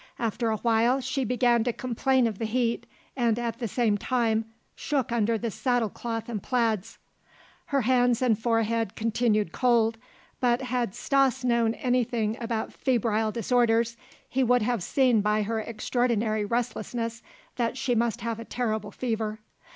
After a while she began to complain of the heat and at the same time shook under the saddle cloth and plaids. Her hands and forehead continued cold, but had Stas known anything about febrile disorders, he would have seen by her extraordinary restlessness that she must have a terrible fever.